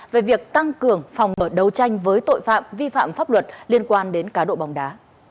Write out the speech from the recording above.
về việc tăng cường phòng mở đấu tranh với tội phạm vi phạm pháp luật liên quan đến cá độ bóng đá